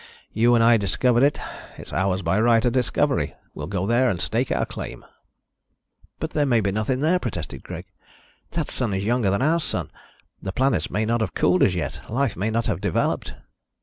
You and I discovered it. It's ours by right of discovery. We'll go there and stake out our claim." "But there may be nothing there," protested Greg. "That sun is younger than our Sun. The planets may not have cooled as yet. Life may not have developed."